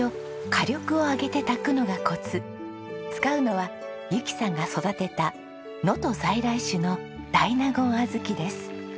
使うのは由紀さんが育てた能登在来種の大納言小豆です。